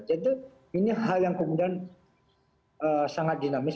jadi ini hal yang kemudian sangat dinamis